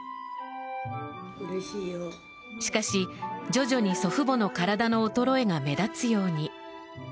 しかし、徐々に祖父母の体の衰えが目立つように。